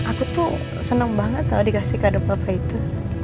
aku tuh seneng banget kalau dikasih kado papa itu